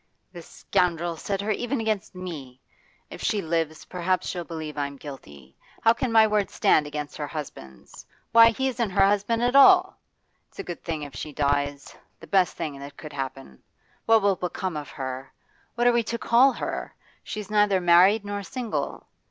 'The scoundrel set even her against me! If she lives, perhaps she'll believe I'm guilty; how can my word stand against her husband's? Why, he isn't her husband at all! It's a good thing if she dies the best thing that could happen. What will become of her? What are we to call her? She's neither married nor single.